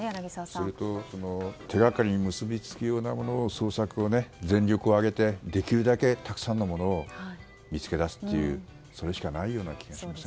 それと、手掛かりに結びつくようなものを捜索を全力を挙げてできるだけたくさんのものを見つけ出すというそれしかないような気がします。